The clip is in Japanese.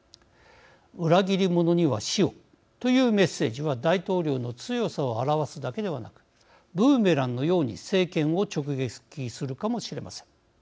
裏切り者には死をというメッセージは大統領の強さを表すだけではなくブーメランのように政権を直撃するかもしれません。